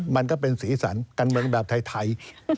มันก็เป็นสีสันการเมืองแบบไทย